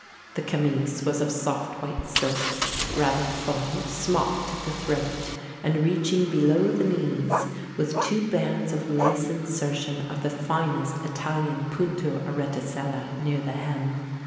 The camise was of soft white silk rather full, smocked at the throat and reaching below the knees, with two bands of lace insertion of the finest Italian punto a reticella near the hem.